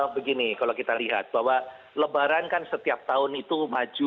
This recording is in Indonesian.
begini kalau kita lihat bahwa lebaran kan setiap tahun itu maju